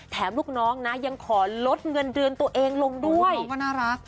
ลูกน้องนะยังขอลดเงินเดือนตัวเองลงด้วยก็น่ารัก